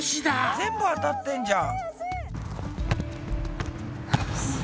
全部当たってんじゃん。